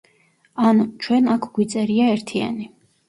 ანუ, ჩვენ აქ გვიწერია ერთიანი.